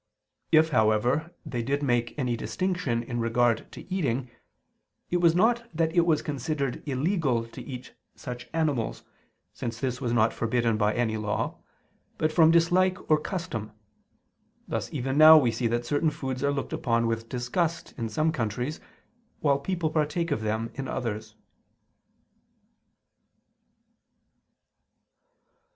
If, however, they did make any distinction in regard to eating; it was not that it was considered illegal to eat such animals, since this was not forbidden by any law, but from dislike or custom: thus even now we see that certain foods are looked upon with disgust in some countries, while people partake of them in others.